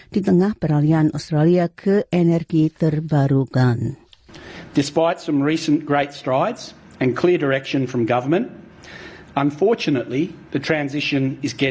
di tengah peralihan australia ke energi terbarukan